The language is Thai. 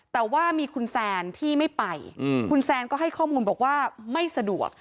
แต่ว่ามีคุณแซนที่ไม่ไปคุณแซนก็ให้ข้อมูลบอกว่าไม่สะดวก